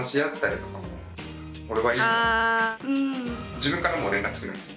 自分からもう連絡するんですよ。